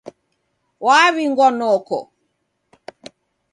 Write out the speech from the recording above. Waw'ingwa noko